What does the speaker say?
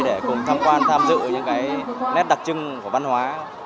để cùng tham quan tham dự những nét đặc trưng của văn hóa